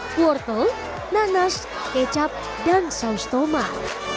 wortel nanas kecap dan saus tomat